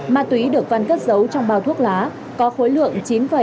ma túy được văn cất giấu trong bao thuốc lá có khối lượng chín một mươi